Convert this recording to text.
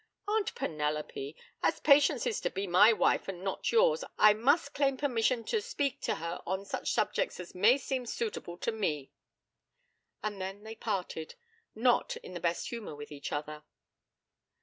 'Aunt Penelope, as Patience is to be my wife and not yours, I must claim permission to speak to her on such subjects as may seem suitable to me.' And then they parted not in the best humour with each other.